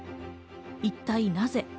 一体なぜ？